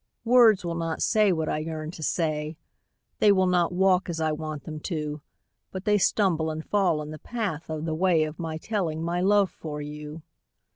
Words will not say what I yearn to say They will not walk as I want them to, But they stumble and fall in the path of the way Of my telling my love for you.